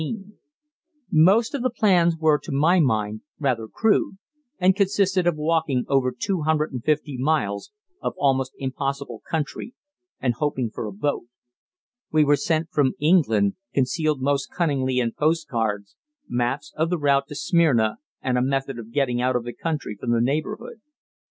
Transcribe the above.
Most of the plans were to my mind rather crude, and consisted of walking over 250 miles of almost impossible country and hoping for a boat. We were sent from England, concealed most cunningly in post cards, maps of the route to Smyrna and a method of getting out of the country from the neighborhood.